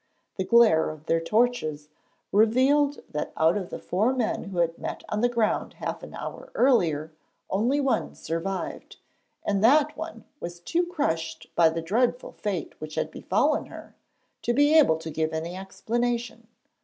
The glare of their torches revealed that out of the four men who had met on the ground half an hour earlier only one survived, and that one was too crushed by the dreadful fate which had befallen her to be able to give any explanation.